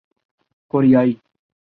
کوریائی